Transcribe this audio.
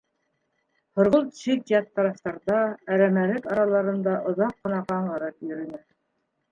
Һорғолт сит-ят тарафтарҙа, әрәмәлек араларында оҙаҡ ҡына ҡаңғырып йөрөнө.